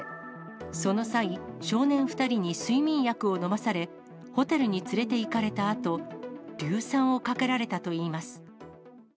その際、少年２人に睡眠薬を飲まされ、ホテルに連れていかれたあと、硫酸をかけられたといいます。